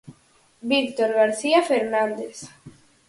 Víctor García Fernández.